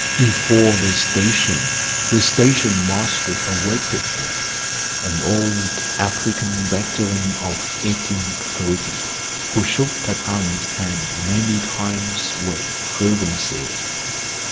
Before the station the station master awaited them, an old African veteran of 1830, who shook Tartarin's hand many times with fervency.